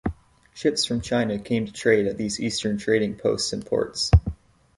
Ships from China came to trade at these eastern trading posts and ports.